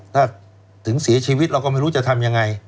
ถ้าถึงเสียชีวิตเราก็ไม่รู้จะทำยังไง